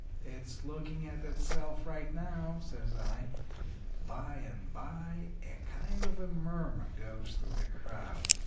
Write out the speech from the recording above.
"'It's looking at itself right now,' says I. "By and by a kind of a murmur goes through the crowd.